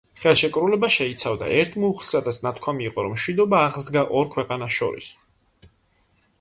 ხელშეკრულება შეიცავდა ერთ მუხლს, სადაც ნათქვამი იყო, რომ მშვიდობა აღსდგა ორ ქვეყანას შორის.